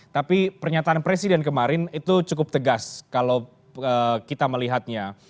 tapi pernyataan presiden kemarin itu cukup tegas kalau kita melihatnya